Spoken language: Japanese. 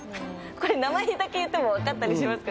これ名前だけ言っても分かったりしますかね？